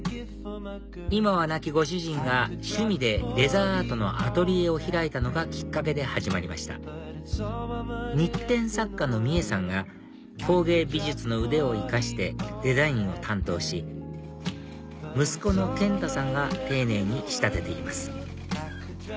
今は亡きご主人が趣味でレザーアートのアトリエを開いたのがきっかけで始まりました日展作家の美枝さんが工芸美術の腕を生かしてデザインを担当し息子の健太さんが丁寧に仕立てています